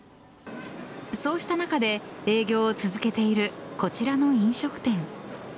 そうした中で営業を続けているこちらの飲食店。